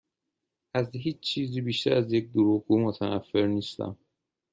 از هیچ چیزی بیشتر از یک دروغگو متنفر نیستم.